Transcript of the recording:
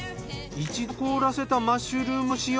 一度凍らせたマッシュルームを使用。